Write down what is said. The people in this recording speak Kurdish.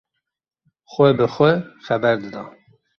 Xwe bi xwe xeber dida.